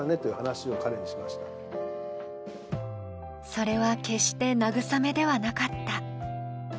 それは決して慰めではなかった。